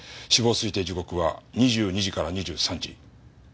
死亡推定時刻は２２時から２３時。